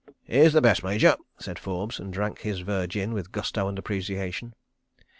"Here's the best, Major," said Forbes, and drank his ver gin with gusto and appreciation.